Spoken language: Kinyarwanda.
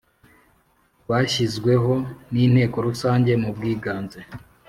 bashyizweho n Inteko Rusange mu bwiganze